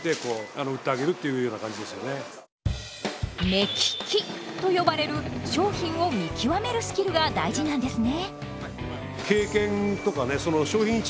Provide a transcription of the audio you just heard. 「目利き」と呼ばれる商品を見極めるスキルが大事なんですね。